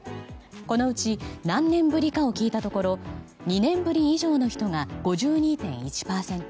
このうち何年ぶりかを聞いたところ２年ぶり以上の人が５２．１％。